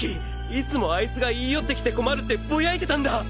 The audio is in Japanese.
いつもあいつが言い寄ってきて困るってぼやいてたんだ！